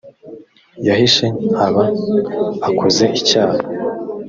yahishe aba akoze icyaha